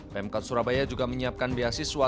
pemkot surabaya juga menyiapkan beasiswa